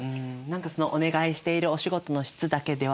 何かそのお願いしているお仕事の質だけではなくて